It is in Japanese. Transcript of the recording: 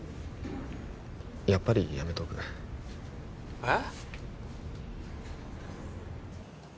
やっぱりやめとくえっ？